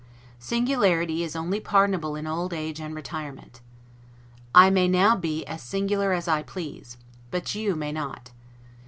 Singularity is only pardonable in old age and retirement; I may now be as singular as I please, but you may not.